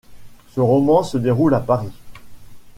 Ce roman se déroule à Paris.